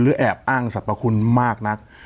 แอบอ้างสรรพคุณมากนัก